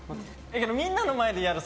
みんなの前でやる。